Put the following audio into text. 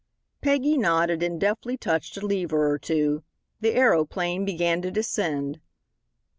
Peggy nodded and deftly touched a lever or two. The aeroplane began to descend.